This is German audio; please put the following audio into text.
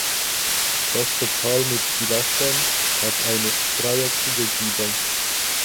Das Portal mit Pilastern hat eine dreieckigen Giebel.